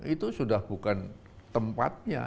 itu sudah bukan tempatnya